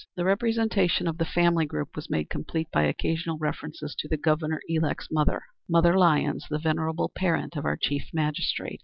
The representation of the family group was made complete by occasional references to the Governor elect's mother "Mother Lyons, the venerable parent of our chief magistrate."